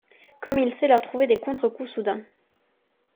Comme il sait leur trouver des contre-coups soudains !